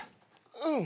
うん。